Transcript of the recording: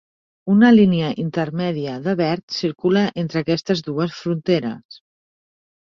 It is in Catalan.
Una línia intermèdia de verd circula entre aquestes dues fronteres.